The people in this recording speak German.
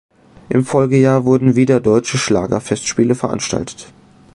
Im Folgejahr wurden wieder Deutsche Schlager-Festspiele veranstaltet.